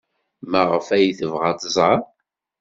Maɣef ay tebɣa ad tẓer?